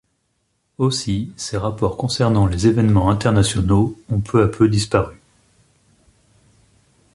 Aussi, ces rapports concernant les évènements internationaux ont peu à peu disparu.